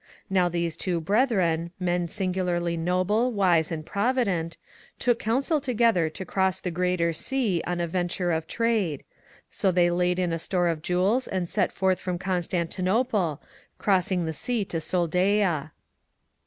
Now these two Brethren, men singularly noble, wise, and provident, took counsel together to cross the Greater Sea on a venture of trade ; so they laid in a store of jewels and set forth from Constantinople, crossing the Sea to SOLDAIA.